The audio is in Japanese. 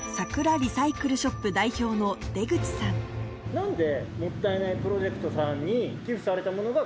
何で。